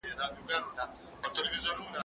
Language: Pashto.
زه اجازه لرم چي موبایل کار کړم.